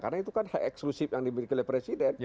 karena itu kan eksklusif yang diberikan oleh presiden